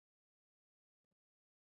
病情每下愈况